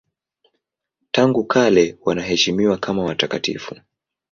Tangu kale wanaheshimiwa kama watakatifu.